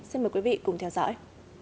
xin mời quý vị cùng theo dõi